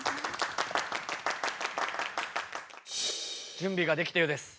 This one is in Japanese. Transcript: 準備ができたようです。